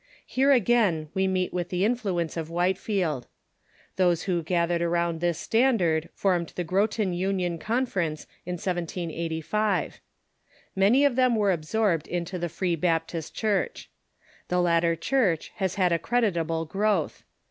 Here, again, we meet with the influence of Whitefield. Those Avho gathered around this standard formed the Groton Union Conference in 1785. Many of them were absorbed into the Free Baptist Church. The latter Church has had a creditable growth.